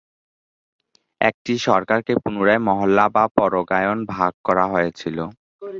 একটি সরকারকে পুনরায় মহল্লা বা পরগনায় ভাগ করা হয়েছিল।